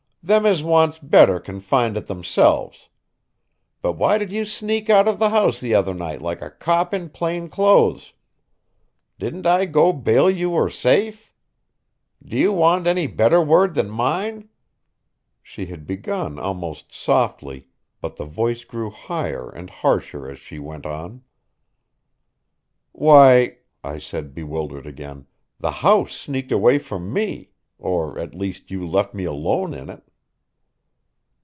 Them as wants better can find it themselves. But why did you sneak out of the house the other night like a cop in plain clothes? Didn't I go bail you were safe? Do you want any better word than mine?" she had begun almost softly, but the voice grew higher and harsher as she went on. "Why," I said, bewildered again, "the house sneaked away from me or, at least you left me alone in it."